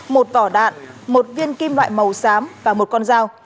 một vỏ đạn một viên kim loại màu xám và một con dao